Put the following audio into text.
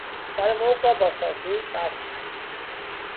سر مرغ را با ساطور قطع کرد.